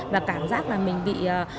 và cảm giác là mình bị